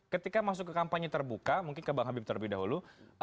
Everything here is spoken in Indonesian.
ketika masuk ke kampanye terbuka mungkin ke bang habib terlebih dahulu